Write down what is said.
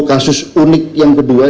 kasus unik yang kedua